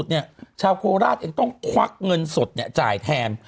โรงพิธีสุดเนี่ยชาวโคราชเองต้องควักเงินสดเนี่ยจ่ายแทน